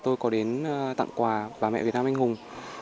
tôi có đến tặng quà bà mẹ việt nam anh hùng